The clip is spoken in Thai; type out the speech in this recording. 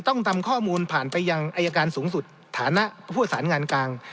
ต้องทำข้อมูลผ่านไปยังอายการสูงสุดฐานะผู้ประสานงานกลาง